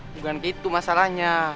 bukan gitu masalahnya